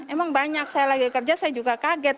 emang banyak saya lagi kerja saya juga kaget